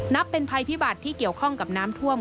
นับเป็นภัยพิบัติที่เกี่ยวข้องกับน้ำท่วม